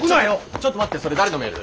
ちょっと待ってそれ誰のメール？